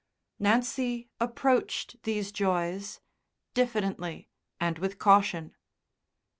Nancy approached these joys diffidently and with caution.